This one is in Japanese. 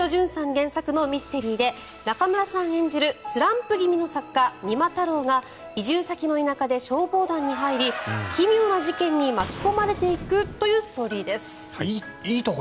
原作のミステリーで中村さん演じるスランプ気味の作家、三馬太郎が移住先の田舎で消防団に入り奇妙な事件に巻き込まれていくというストーリーです。